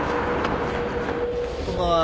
こんばんは。